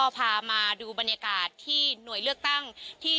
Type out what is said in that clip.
พามาดูบรรยากาศที่หน่วยเลือกตั้งที่